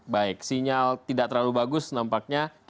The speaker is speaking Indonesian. baik sinyal tidak terlalu bagus nampaknya